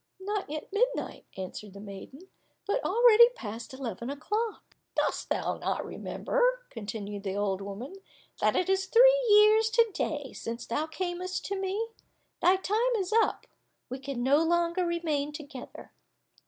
"Not yet midnight," answered the maiden, "but already past eleven o'clock." "Dost thou not remember," continued the old woman, "that it is three years to day since thou camest to me? Thy time is up, we can no longer remain together."